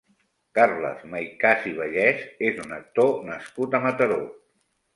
Carles Maicas i Vallès és un actor nascut a Mataró.